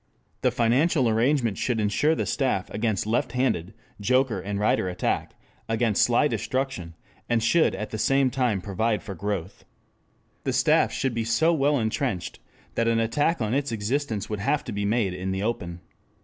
The financial arrangement should insure the staff against left handed, joker and rider attack, against sly destruction, and should at the same time provide for growth. The staff should be so well entrenched that an attack on its existence would have to be made in the open.